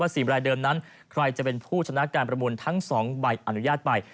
๔รายเดิมนั้นใครจะเป็นผู้ชนะการประมูลทั้ง๒ใบอนุญาตไป